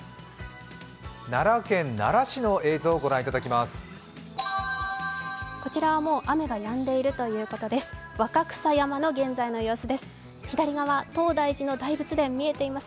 奈良県奈良市の映像を御覧いただきます。